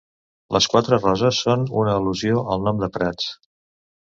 Les quatre roses són una al·lusió al nom de Prats.